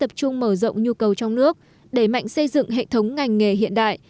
không mở rộng nhu cầu trong nước đẩy mạnh xây dựng hệ thống ngành nghề hiện đại